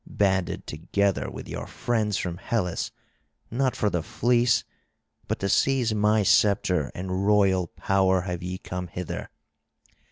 Banded together with your friends from Hellas, not for the fleece, but to seize my sceptre and royal power have ye come hither.